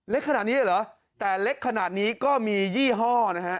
เล็กขนาดนี้เลยเหรอแต่เล็กขนาดนี้ก็มียี่ห้อนะฮะ